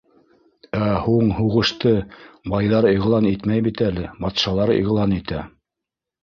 Ә һуң һуғышты байҙар иғлан итмәй бит әле, батшалар иғлан итә.